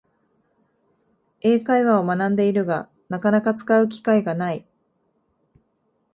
英会話を学んでいるが、なかなか使う機会がない